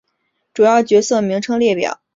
主要角色名称列表。